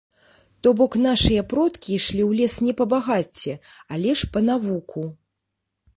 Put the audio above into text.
То бок нашыя продкі ішлі ў лес не па багацце, але ж па навуку.